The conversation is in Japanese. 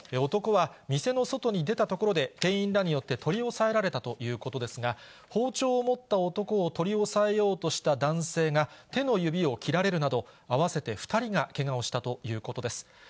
男は店の外に出たところで、店員らによって取り押さえられたということですが、包丁を持った男を取り押さえようとした男性が、手の指を切られるなど、合わせて２人がけがをしたということです。